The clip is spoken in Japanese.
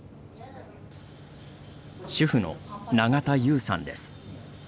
主婦の永田優さんです。